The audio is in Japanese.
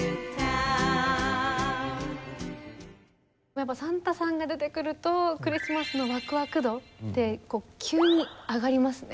やっぱサンタさんが出てくるとクリスマスのワクワク度ってこう急に上がりますね。